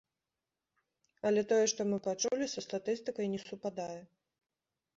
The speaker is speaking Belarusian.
Але тое, што мы пачулі са статыстыкай не супадае.